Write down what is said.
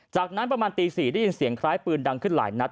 จากนั้นประมาณตี๔ได้ยินเสียงคล้ายปืนดังขึ้นหลายนัด